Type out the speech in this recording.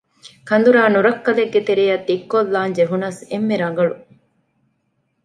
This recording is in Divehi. ކަނދުރާ ނުރައްކަލެއްގެ ތެރެއަށް ދިއްކޮށްލާން ޖެހުނަސް އެންމެ ރަނގަޅު